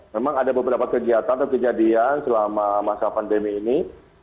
memang ada beberapa kegiatan atau kejadian selama masa pandemi ini